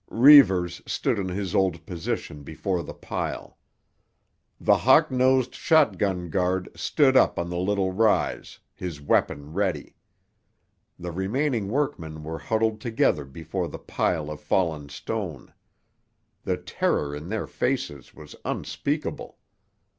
Reivers stood in his old position before the pile. The hawk nosed shotgun guard stood up on the little rise, his weapon ready. The remaining workmen were huddled together before the pile of fallen stone. The terror in their faces was unspeakable.